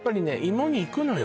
芋にいくのよ